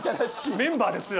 メンバーですら。